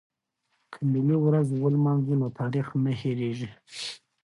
که ملي ورځ ولمانځو نو تاریخ نه هیریږي.